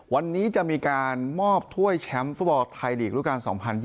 วันนี้จะมีการมอบถ้วยแชมป์ฟุตบอลไทยลีกรูปการ๒๐๒๐